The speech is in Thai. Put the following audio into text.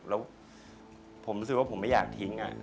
แล้วผมรู้สึกว่าผมไม่อยากทิ้ง